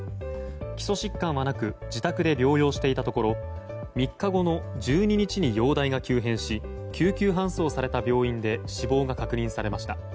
基礎疾患はなく自宅で療養していたところ３日後の１２日に容体が急変し救急搬送された病院で死亡が確認されました。